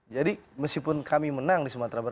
jadi meskipun kami menang di sumatera